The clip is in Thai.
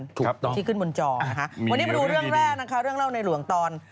ถูกต้องที่ขึ้นบนจอนะคะวันนี้มาดูเรื่องแรกนะคะเรื่องเล่าในหลวงตอน